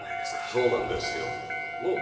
そうなんですよのう？